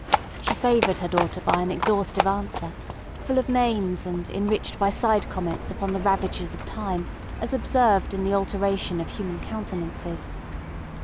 She favoured her daughter by an exhaustive answer, full of names and enriched by side comments upon the ravages of time as observed in the alteration of human countenances.